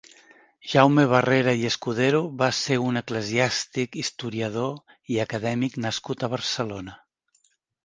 Jaume Barrera i Escudero va ser un eclesiàstic, historiador i acadèmic nascut a Barcelona.